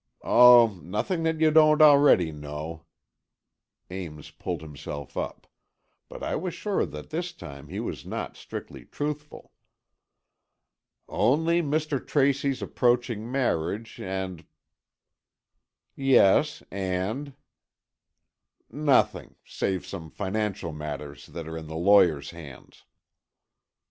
"Oh, nothing that you don't already know," Ames pulled himself up. But I was sure that this time he was not strictly truthful. "Only Mr. Tracy's approaching marriage and——" "Yes, and?" "Nothing, save some financial matters that are in the lawyers' hands."